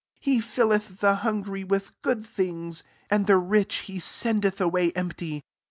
51 HeJUleth the hungry with goO{ things i and the rich he sendet away empty.